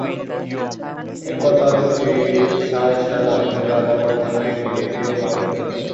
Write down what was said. এরপর তাঁর স্ত্রী শাহ ইশরাত আজমেরী আদাবর থানায় একটি জিডিও করেন।